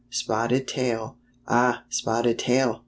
" Spotted Tail." "Ah! Spotted Tail!